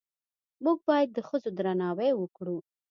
موږ باید د ښځو درناوی وکړو